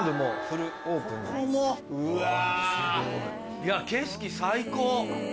いや景色最高。